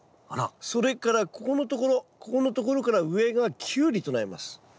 それからここのところここのところから上がキュウリとなります。